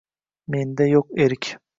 Menda yo’q erk